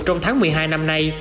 trong tháng một mươi hai năm nay